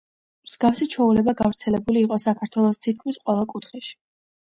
მსგავსი ჩვეულება გავრცელებული იყო საქართველოს თითქმის ყველა კუთხეში.